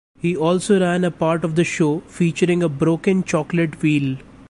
He also ran a part of the show featuring a broken chocolate wheel.